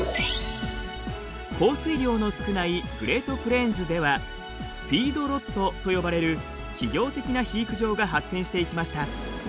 降水量の少ないグレートプレーンズではフィードロットと呼ばれる企業的な肥育場が発展していきました。